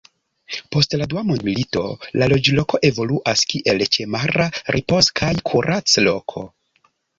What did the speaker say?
Post la Dua mondmilito la loĝloko evoluas kiel ĉemara ripoz- kaj kurac-loko.